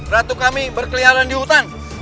ratu kami berkeliaran di hutan